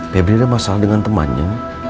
febri ada masalah dengan temannya